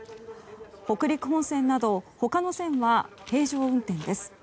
北陸本線など他の線は平常運転です。